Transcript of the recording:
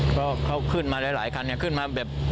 ก็เขาขึ้นมาหลายคันเนี่ยขึ้นมาแบบ